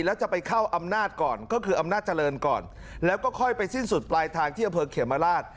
แล้วจะไปเข้าอำนาจก่อนก็คืออำนาจเจริญก่อนแล้วก็ค่อยไปสิ้นสุดปลายทางที่อำเภอเขมราช